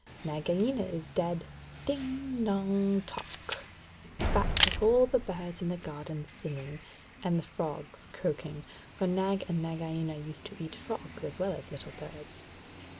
_ Nagaina is dead! Ding dong tock!' That set all the birds in the garden singing, and the frogs croaking; for Nag and Nagaina used to eat frogs as well as little birds.